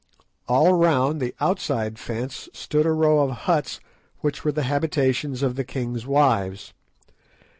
All round the outside fence stood a row of huts, which were the habitations of the king's wives.